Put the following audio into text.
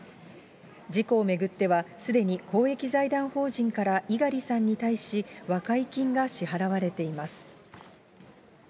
事故を巡っては、すでに公益財団法人から猪狩さんに対し和解金が支払われています。